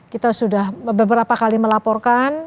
kita sudah beberapa kali melaporkan